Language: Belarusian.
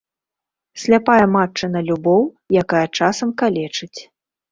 Сляпая матчына любоў, якая часам калечыць.